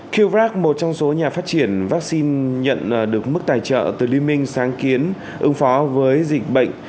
keoc một trong số nhà phát triển vaccine nhận được mức tài trợ từ liên minh sáng kiến ứng phó với dịch bệnh